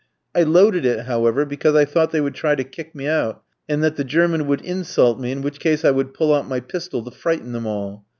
I loaded it, however, because I thought they would try to kick me out, and that the German would insult me, in which case I would pull out my pistol to frighten them all.